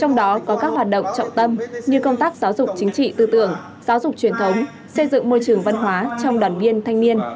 trong đó có các hoạt động trọng tâm như công tác giáo dục chính trị tư tưởng giáo dục truyền thống xây dựng môi trường văn hóa trong đoàn viên thanh niên